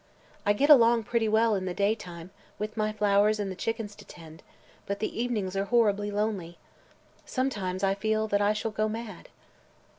I get along pretty well in the daytime, with my flowers and the chickens to tend, but the evenings are horribly lonely. Sometimes I feel that I shall go mad."